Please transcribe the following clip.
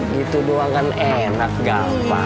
gitu doang kan enak gak bang